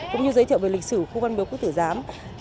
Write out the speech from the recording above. cũng như giới thiệu về lịch sử khu văn miếu quốc tử giám